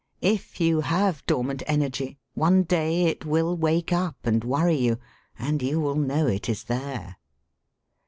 If you have dormant energy, one day it will wake up and worry you, and you will know it is there.